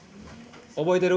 覚えてる？